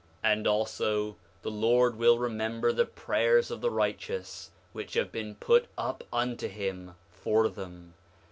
5:21 And also the Lord will remember the prayers of the righteous, which have been put up unto him for them.